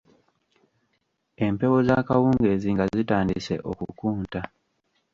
Empewo z'akawungeezi nga zitandise okukunta.